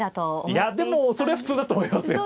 いやでもそれは普通だと思いますよ。